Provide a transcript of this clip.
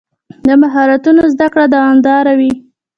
د مهارتونو زده کړه دوامداره وي.